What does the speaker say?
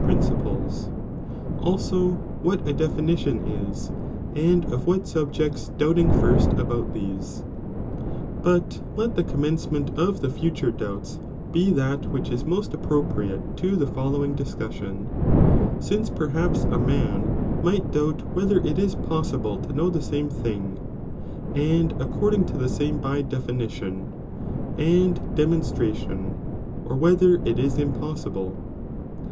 ^ principles,^ ■f' also what a definition is, and of wLat e, amAi^c^ subjects doubting first about these. But let the """*' eonimencenieiit of the future (doubts) be (hat which is most appropriate to the following discussion, since „ perhaps a man might doubt whether it is poesible k'naw by defi to know tho same thing, and according to the •uWmi csMbie same by definition and demonstration, or whether ordBmonBira it is impossible?